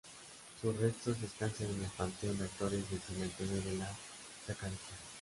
Sus restos descansan en el panteón de actores del Cementerio de la Chacarita.